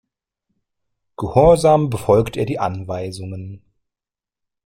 Gehorsam befolgt er die Anweisungen.